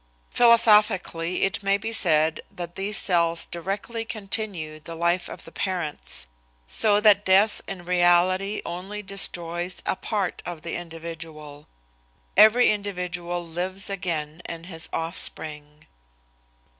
Philosophically it may be said that these cells directly continue the life of the parents, so that death in reality only destroys a part of the individual. Every individual lives again in his offspring.